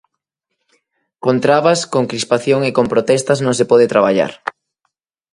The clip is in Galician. Con trabas, con crispación e con protestas non se pode traballar.